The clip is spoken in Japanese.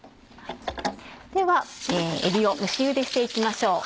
ではえびを蒸しゆでして行きましょう。